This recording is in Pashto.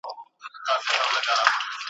د دې غم کیسه اوږده ده له پېړیو ده روانه `